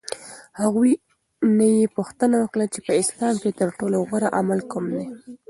هغوی نه یې پوښتنه وکړه چې په اسلام کې ترټولو غوره عمل کوم دی؟